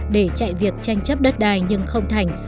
để chạy việc tranh chấp đất đai nhưng không thành